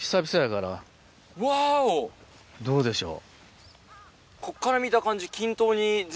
どうでしょう。